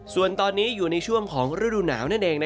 ส่วนตอนนี้อยู่ในช่วงของฤดูหนาว